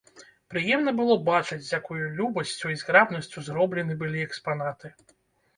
Прыемна было бачыць, з якою любасцю і зграбнасцю зроблены былі экспанаты.